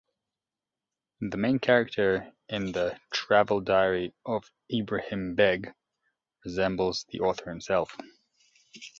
The main character in the "Travel Diary of Ebrahim Beg" resembles the author himself.